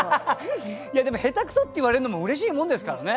でも下手くそって言われるのもうれしいもんですからね。